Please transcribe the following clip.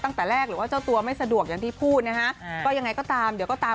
ตั้งแต่แรกหรือว่าเจ้าตัวไม่สะดวกอย่างที่พูดนะฮะก็ยังไงก็ตามเดี๋ยวก็ตาม